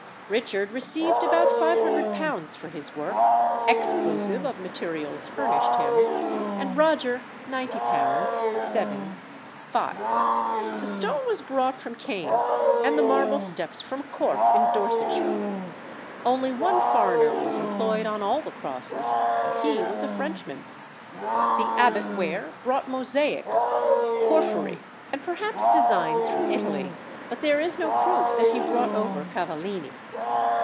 Richard received about £500 for his work, exclusive of materials furnished him, and Roger £90: 7: 5. The stone was brought from Caen, and the marble steps from Corfe in Dorsetshire. Only one foreigner was employed on all the crosses, and he was a Frenchman. The Abbot Ware brought mosaics, porphyry, and perhaps designs from Italy, but there is no proof that he brought over Cavallini.